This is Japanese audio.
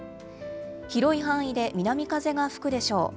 広い範囲で南風が吹くでしょう。